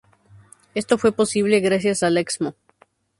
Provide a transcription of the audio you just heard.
Esto fue posible gracias al Excmo.